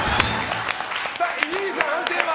伊集院さん、判定は？